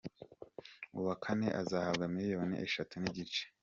Uwa kane azahabwa miliyoni eshatu n’igice.